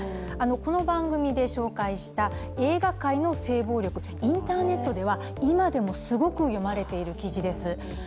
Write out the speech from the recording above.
この番組で紹介した映画界の性暴力インターネットでは、今でもすごく読まれている記事です。